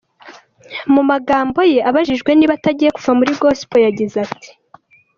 Mu magambo ye, abajijwe niba atagiye kuva muri Gospel, yagize ati:.